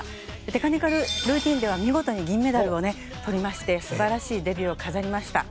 テクニカルルーティンでは見事に銀メダルを取りまして素晴らしいデビューを飾りました。